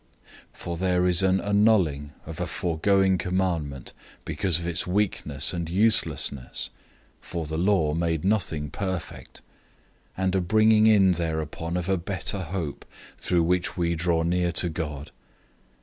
"{Psalm 110:4} 007:018 For there is an annulling of a foregoing commandment because of its weakness and uselessness 007:019 (for the law made nothing perfect), and a bringing in of a better hope, through which we draw near to God.